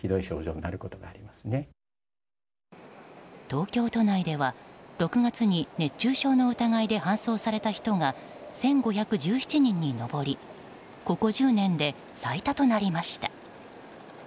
東京都内では６月に熱中症の疑いで搬送された人が１５１７人に上りここ１０年で最多となりました。